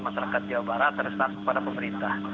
masyarakat jawa barat dan juga pada pemerintah